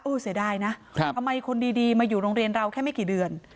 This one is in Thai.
เสียดายนะทำไมคนดีมาอยู่โรงเรียนเราแค่ไม่กี่เดือน